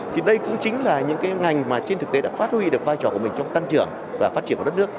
thì đây cũng chính là những cái ngành mà trên thực tế đã phát huy được vai trò của mình trong tăng trưởng và phát triển của đất nước